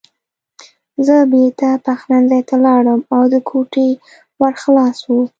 زه بېرته پخلنځي ته لاړم او د کوټې ور خلاص و